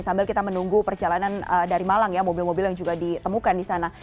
sambil kita menunggu perjalanan dari malang ya mobil mobil yang juga ditemukan di sana